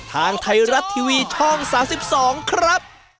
ทางไทยรัฐทีวีช่อง๓๒ครับ